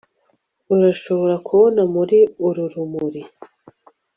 Urashobora kubona muri uru rumuri